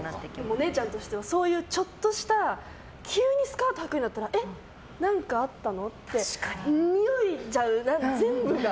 お姉ちゃんとしてはそういうちょっとした急にスカートはくようになったらえっ、何かあったの？ってにおっちゃう、全部が。